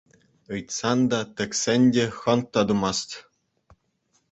Ыйтсан та, тӗксен те хӑнк та тумасть.